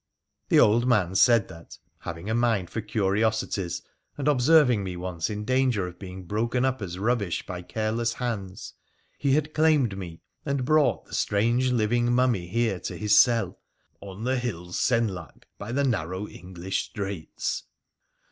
The old man said that, having a mind for curiosities, and observing me once in danger of being broken up as rubbish by careless hands, he had claimed me, and brought the strange living mummy here to his cell ' on the hill Senlac, by the narrow English straits.'